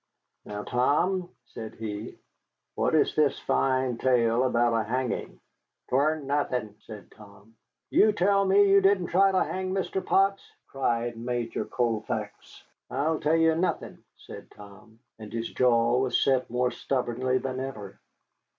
Now, Tom," said he, "what is this fine tale about a hanging?" "'Twan't nothin'," said Tom. "You tell me you didn't try to hang Mr. Potts!" cried Major Colfax. "I tell you nothin'," said Tom, and his jaw was set more stubbornly than ever.